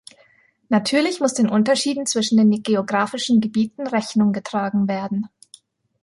Natürlich muss den Unterschieden zwischen den geografischen Gebieten Rechnung getragen werden.